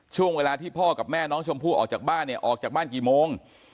ช่วงเวลาที่พ่อกับแม่น้องชมพู่ออกจากบ้านเนี่ยออกจากบ้านกี่โมง